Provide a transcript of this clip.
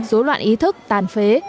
dối loạn ý thức tàn phế